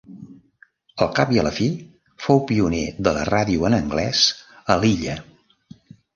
Al cap i a la fi fou pioner de la ràdio en anglès a l'illa.